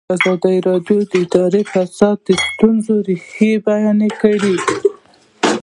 ازادي راډیو د اداري فساد د ستونزو رېښه بیان کړې.